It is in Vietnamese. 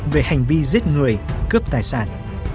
về hành vi giết người cướp tài sản